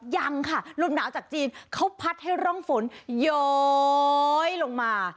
ยังค่ะลมหนาวจากจีนเขาพัดให้ร่องฝนย้อยลงมา